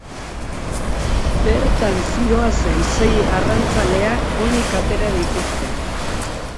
Bertan zihoazen sei arrantzaleak onik atera dituzte.